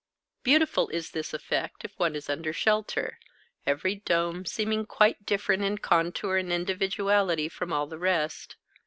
Beautiful is this effect if one is under shelter, every dome seeming quite different in contour and individuality from all the rest.